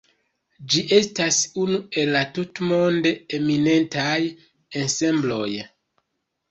Ĝi estas unu el la tutmonde eminentaj ensembloj.